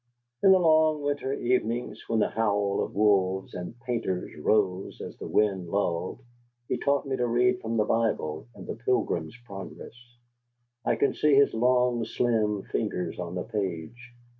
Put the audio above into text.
In the long winter evenings, when the howl of wolves and "painters" rose as the wind lulled, he taught me to read from the Bible and the "Pilgrim's Progress." I can see his long, slim fingers on the page.